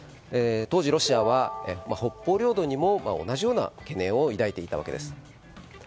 当時、ロシアは北方領土にも同じような懸念を抱いていたわけです。